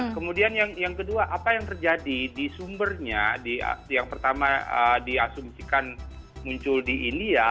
kemudian yang kedua apa yang terjadi di sumbernya yang pertama diasumsikan muncul di india